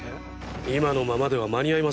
今のままでは間に合いません。